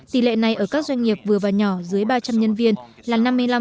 tỷ lệ này ở các doanh nghiệp vừa và nhỏ dưới ba trăm linh nhân viên là năm mươi năm